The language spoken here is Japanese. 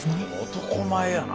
男前やな。